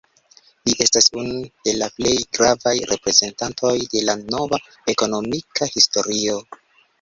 Li estas unu de la plej gravaj reprezentantoj de la "nova ekonomika historio".